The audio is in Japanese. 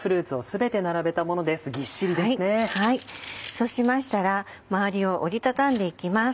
そうしましたらまわりを折り畳んでいきます。